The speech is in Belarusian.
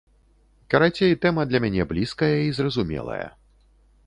Карацей, тэма для мяне блізкая і зразумелая.